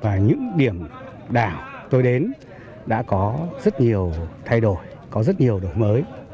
và những điểm đảo tôi đến đã có rất nhiều thay đổi có rất nhiều đổi mới